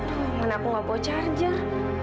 aduh kenapa gak bawa charger